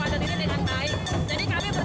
mengapresiasi bupati sekarang